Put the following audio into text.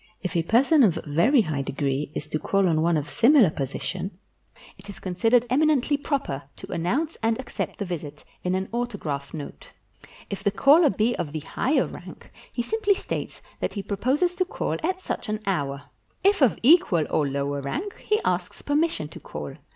If a person of very high degree is to call on one of similar position, it is consid ered eminently proper to announce and accept the visit in an autograph note. If the caller be of the higher rank, he simply states that he proposes to call at such an hour; 451 PERSIA if of equal or lower rank, he asks permission to call.